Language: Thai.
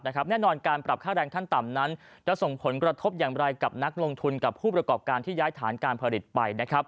แน่นอนการปรับค่าแรงขั้นต่ำนั้นจะส่งผลกระทบอย่างไรกับนักลงทุนกับผู้ประกอบการที่ย้ายฐานการผลิตไป